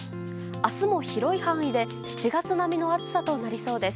明日も広い範囲で７月並みの暑さとなりそうです。